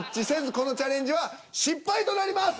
このチャレンジは失敗となります。